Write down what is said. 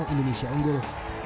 dua indonesia unggul